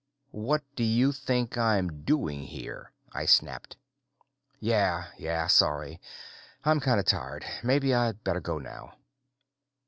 "What do you think I'm doing here?" I snapped. "Yeah. Yeah, sorry. I'm kind of tired. Maybe I'd better go now."